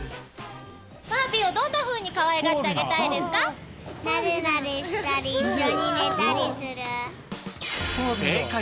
ファービーをどんなふうにかわいがってあげたいですか？